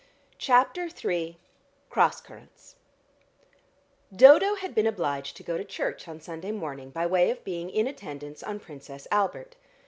CHAPTER III CROSS CURRENTS Dodo had been obliged to go to church on Sunday morning by way of being in attendance on Princess Albert.